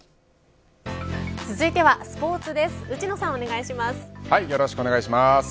続いてはスポーツです。